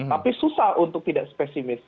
tapi susah untuk tidak spesifis